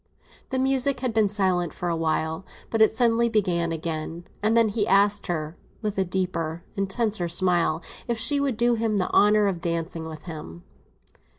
The music had been silent for a while, but it suddenly began again; and then he asked her, with a deeper, intenser smile, if she would do him the honour of dancing with him.